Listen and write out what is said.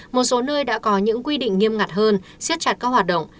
một số nơi đã có những quy định nghiêm ngặt hơn siết chặt các hoạt động